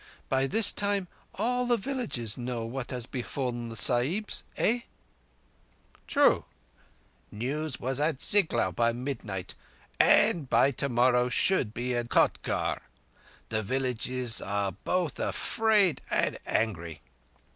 By this time all the villages know what has befallen the Sahibs—eh?" "True. News was at Ziglaur by midnight, and by tomorrow should be at Kotgarh. The villages are both afraid and angry."